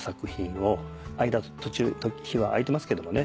途中日はあいてますけどもね。